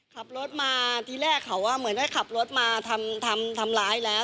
ขับรถมาทีแรกเขาเหมือนได้ขับรถมาทำร้ายแล้ว